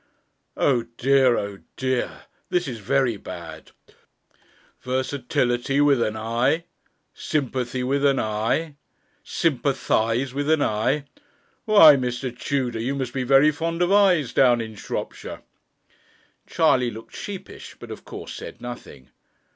'Oh dear! oh dear! this is very bad; versatility with an 'i!' sympathy with an 'i!' sympathize with an 'i!' Why, Mr. Tudor, you must be very fond of 'i's' down in Shropshire.' Charley looked sheepish, but of course said nothing.